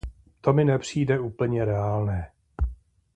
To mi nepřijde úplně reálné.